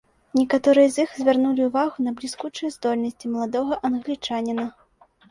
Некаторыя з іх звярнулі ўвагу на бліскучыя здольнасці маладога англічаніна.